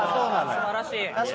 素晴らしい。